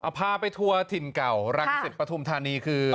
เอาผ้าไปทั่วถิ่นเก่ารังศิษย์ประธุมธานีคือ